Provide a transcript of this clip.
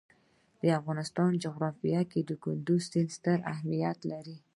د افغانستان جغرافیه کې کندز سیند ستر اهمیت لري.